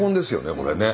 これね。